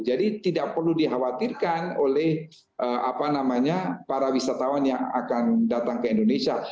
jadi tidak perlu dikhawatirkan oleh apa namanya para wisatawan yang akan datang ke indonesia